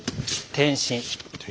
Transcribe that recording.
転身。